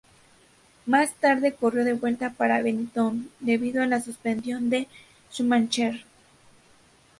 Más tarde corrió de vuelta para Benetton debido a la suspensión de Schumacher.